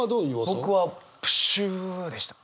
僕はプシューでした。